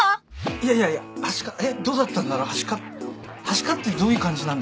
いやいやいやはしかえっどうだったんだろはしか。はしかってどういう感じなんだろう。